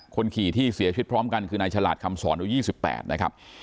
คนขี่ที่เสียชีวิตพร้อมกันคือนายฉลาดคำสอนอายุ๒๘นะครับ